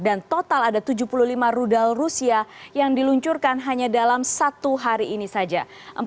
dan total ada tujuh puluh lima rudal rusia yang diluncurkan hanya dalam satu hari ini saja